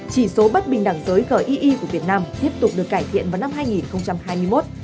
chỉ số bất bình đẳng giới gei của việt nam tiếp tục được cải thiện vào năm hai nghìn hai mươi một